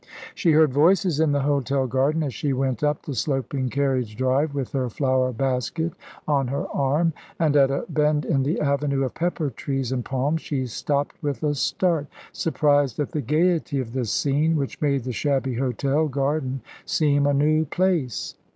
She heard voices in the hotel garden, as she went up the sloping carriage drive, with her flower basket on her arm; and at a bend in the avenue of pepper trees and palms she stopped with a start, surprised at the gaiety of the scene, which made the shabby hotel garden seem a new place.